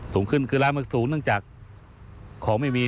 สูงขึ้นคือราคามากสูงดังจากของไม่มี